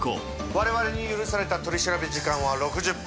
我々に許された取り調べ時間は６０分。